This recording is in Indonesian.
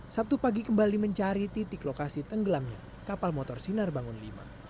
sabtu pagi kembali mencari titik lokasi tenggelamnya kapal motor sinar bangun v